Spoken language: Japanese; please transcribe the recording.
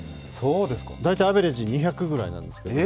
大体アベレージ２００ぐらいなんですけど。